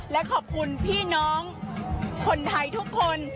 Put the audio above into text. และขอบคุณพี่น้องคนไทยทุกคน